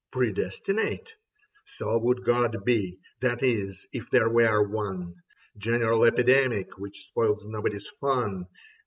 Predestinate ? So would God be — that is, if there were one : General epidemic which spoils nobody's fun.